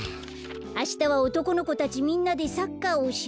あしたは「おとこの子たちみんなでサッカーをしました」。